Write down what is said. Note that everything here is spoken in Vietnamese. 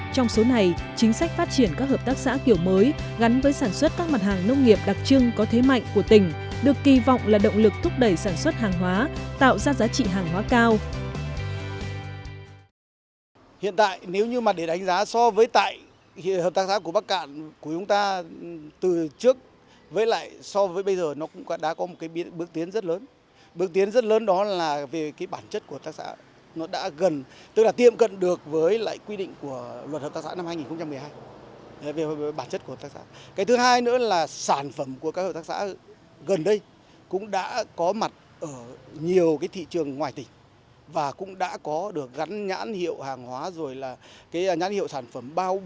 trong số này chính sách phát triển các hợp tác xã kiểu mới gắn với sản xuất các mặt hàng nông nghiệp đặc trưng có thế mạnh của tỉnh được kỳ vọng là động lực thúc đẩy sản xuất hàng hóa tạo ra giá trị hàng hóa cao